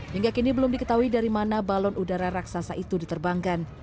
hingga kini belum diketahui dari mana balon udara raksasa itu diterbangkan